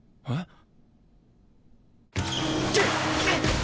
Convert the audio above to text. あっ！